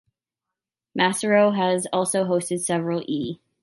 Massaro has also hosted several E!